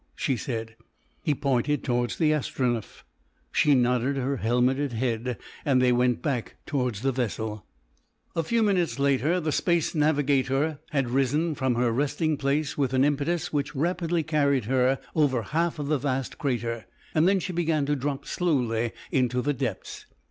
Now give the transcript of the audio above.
she said. He pointed towards the Astronef. She nodded her helmeted head, and they went back towards the vessel. A few minutes later the Space Navigator had risen from her resting place with an impetus which rapidly carried her over half of the vast crater, and then she began to drop slowly into the depths.